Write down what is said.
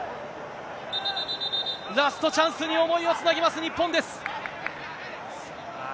ラストチャンスに思いをつなぎます、日本です。